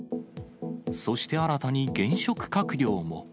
そして新たに現職閣僚も。